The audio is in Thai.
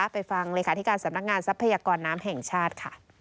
ไปฟังเลยค่ะที่การสำนักงานทรัพยากรน้ำแห่งชาติ